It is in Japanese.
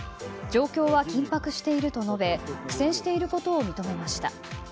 状況は緊迫していると述べ苦戦していることを認めました。